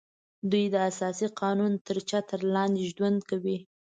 دوی د اساسي قانون تر چتر لاندې ژوند کوي